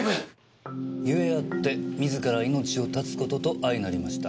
「故あって自ら命を絶つこととあいなりました」